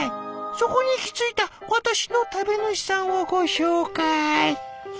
そこに行きついた私の食べ主さんをご紹介。